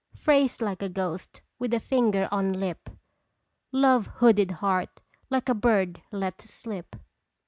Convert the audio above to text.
Phrase like a ghost with a finger on lip ! Love hooded heart like a bird let to slip